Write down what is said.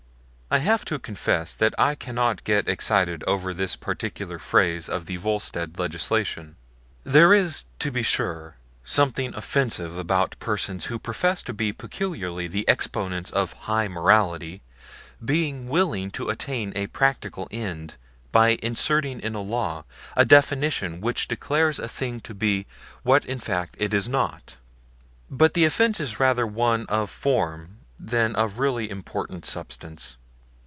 I have to confess that r cannot get excited over this particular phase of the Volstead legislation. There is, to be sure, something offensive about persons who profess to be peculiarly the exponents of high morality being willing to attain a practical end by inserting in a law a definition which declares a thing to be what in fact it is not; but the offense is rather one of form than of really important substance.